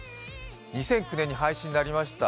２００９年に廃止になりました。